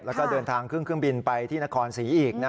แล้วก็เดินทางขึ้นเครื่องบินไปที่นครศรีอีก